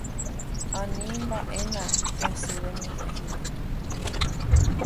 Animba'éna jasy renyhẽ hína.